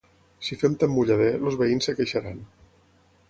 Si fem tant mullader, els veïns es queixaran.